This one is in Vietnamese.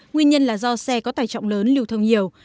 nguyên nhân là do xe có tài trọng lớn lưu thông nhiều